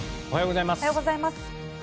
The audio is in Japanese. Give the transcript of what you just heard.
おはようございます。